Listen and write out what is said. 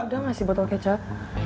udah gak sih botol kecap